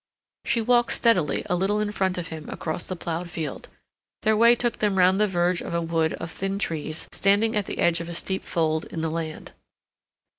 She walked steadily a little in front of him across the plowed field. Their way took them round the verge of a wood of thin trees standing at the edge of a steep fold in the land.